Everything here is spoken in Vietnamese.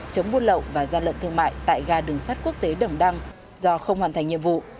chống buôn lậu và gian lận thương mại tại ga đường sắt quốc tế đồng đăng do không hoàn thành nhiệm vụ